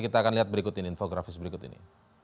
kita akan lihat berikut ini infografis berikut ini